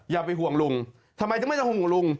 อย่าไปห่วงลุงทำไมถึงไม่ต้องห่วงลุง